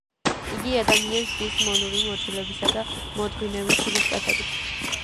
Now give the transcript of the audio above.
იგი ადამიანს ზრდის მონური მორჩილებისა და მოთმინების სულისკვეთებით.